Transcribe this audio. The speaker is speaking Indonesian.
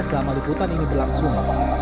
selama liputan ini berlangsung